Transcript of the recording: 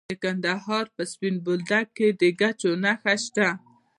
د کندهار په سپین بولدک کې د ګچ نښې شته.